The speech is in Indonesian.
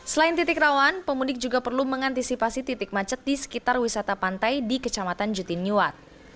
selain titik rawan pemudik juga perlu mengantisipasi titik macet di sekitar wisata pantai di kecamatan jutinyuat